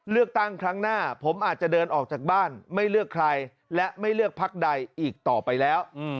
เลือกตั้งครั้งหน้าผมอาจจะเดินออกจากบ้านไม่เลือกใครและไม่เลือกพักใดอีกต่อไปแล้ว